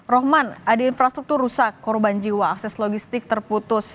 rohman ada infrastruktur rusak korban jiwa akses logistik terputus